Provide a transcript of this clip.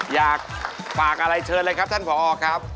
อยากฝากอะไรเชิญเลยครับท่านผอครับ